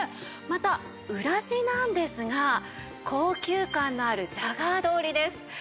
また裏地なんですが高級感のあるジャガード織りです。